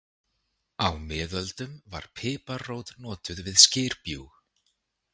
Á miðöldum var piparrót notuð við skyrbjúg.